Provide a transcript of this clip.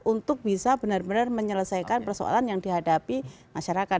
untuk bisa benar benar menyelesaikan persoalan yang dihadapi masyarakat